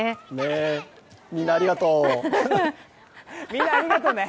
みんなありがとね。